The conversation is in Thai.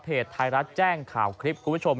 ไทยรัฐแจ้งข่าวคลิปคุณผู้ชม